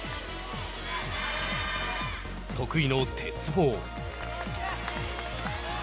得意の鉄棒。